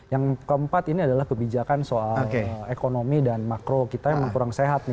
yang keempat ini adalah kebijakan soal ekonomi dan makro kita yang kurang sehat